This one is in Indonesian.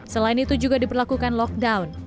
selain itu juga diperlakukan lockdown